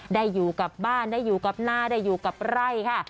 ได้อยู่กับบ้านได้อยู่กับหน้าได้อยู่กับไร่ค่ะ